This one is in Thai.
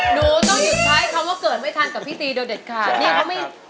หนูต้องหยุดใช้คำว่าเกิดไม่ทันกับพี่ตีโดยเด็ดขาด